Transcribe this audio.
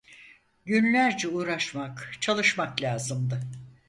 Günlerce uğraşmak, çalışmak lazımdı.